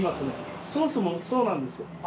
ソースもそうなんですよ。